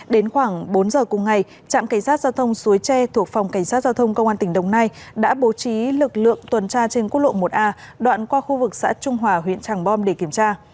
đến khoảng bốn giờ cùng ngày trạm cảnh sát giao thông suối tre thuộc phòng cảnh sát giao thông công an tỉnh đồng nai đã bố trí lực lượng tuần tra trên quốc lộ một a đoạn qua khu vực xã trung hòa huyện tràng bom để kiểm tra